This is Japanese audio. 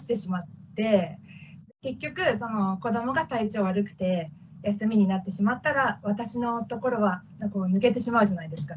結局子どもが体調悪くて休みになってしまったら私のところは抜けてしまうじゃないですか。